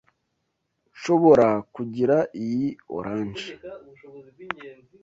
Nshobora kugira iyi orange?